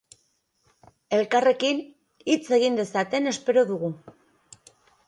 Elkarrekin hitz egin dezaten espero dugu.